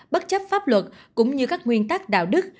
bất chấp pháp luật cũng như các nguyên tắc đạo đức